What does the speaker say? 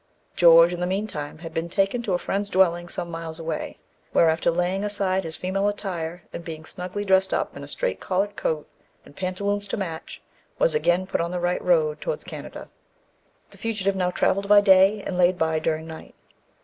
George in the meantime had been taken to a friend's dwelling some miles away, where, after laying aside his female attire, and being snugly dressed up in a straight collared coat, and pantaloons to match, was again put on the right road towards Canada. The fugitive now travelled by day, and laid by during night.